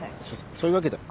そういうわけでは。